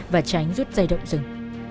và tránh rút dây động rừng